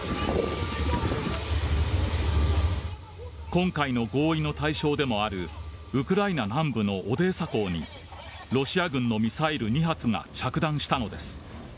今回の合意の対象でもあるウクライナ南部のオデーサ港にロシア軍のミサイル２発が着弾したのです。